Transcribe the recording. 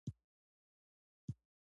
چرګه چاغه شوه او هګۍ اچول یې بند کړل.